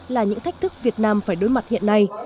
là những thách thức việt nam phải đối mặt hiện nay